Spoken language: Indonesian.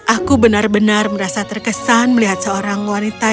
aku benar benar merasa terkesan melihat seorang wanita yang sangat rajin di kerajaanku